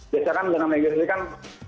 biasa kan dengan negosiasi kan